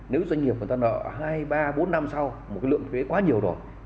nếu doanh nghiệp người ta nợ hai ba bốn năm sau một cái lượng thuế quá nhiều rồi